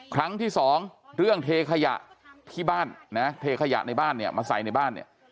ครั้งที่สองเรื่องเทขยะที่บ้านนะเทขยะในบ้านเนี่ยมาใส่ในบ้านเนี่ย